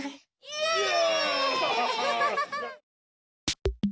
イエイ！